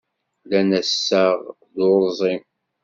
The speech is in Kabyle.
Lan assaɣ d urẓim.